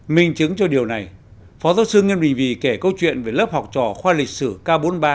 minh chứng cho điều này phó giáo sư nghiêm đình vì kể câu chuyện về lớp học trò khoa lịch sử k bốn mươi ba